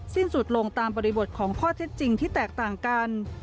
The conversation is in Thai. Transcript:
สิ้นสุดลงตามบริบทของข้อเท็จจริงที่แตกต่างกัน